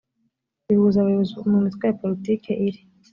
bihuza abayobozi mu mitwe ya politiki iri